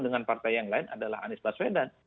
dengan partai yang lain adalah anies baswedan